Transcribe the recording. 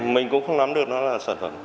mình cũng không nắm được nó là sản phẩm